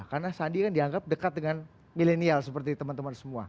karena sandi kan dianggap dekat dengan milenial seperti teman teman semua